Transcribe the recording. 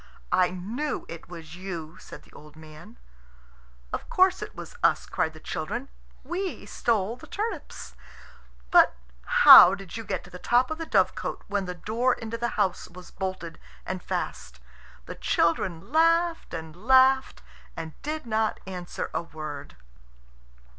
"I knew it was you," said the old man. "Of course it was us," cried the children. "We stole the turnips." "But how did you get to the top of the dovecot when the door into the house was bolted and fast?" The children laughed and laughed and did not answer a word.